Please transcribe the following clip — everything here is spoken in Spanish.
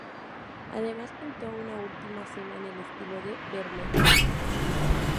Además pintó una Última Cena en el estilo de Vermeer.